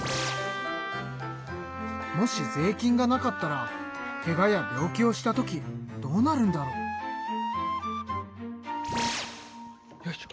もし税金がなかったらけがや病気をした時どうなるんだろう？よいしょ。